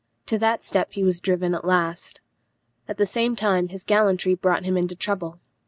To that step he was driven at last. At the same time his gallantry brought him into trouble.